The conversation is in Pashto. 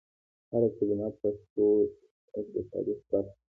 هر کلمه پښتو زموږ د تاریخ برخه ده.